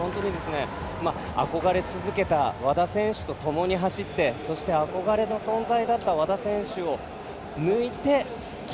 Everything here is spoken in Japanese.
憧れ続けた和田選手とともに走ってそして、憧れの存在だった和田選手を抜いて銀。